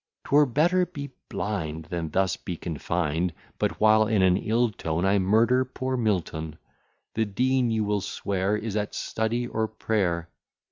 'Twere better be blind, Than thus be confined. But while in an ill tone, I murder poor Milton, The Dean you will swear, Is at study or prayer.